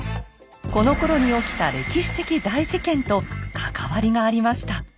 このころに起きた歴史的大事件と関わりがありました。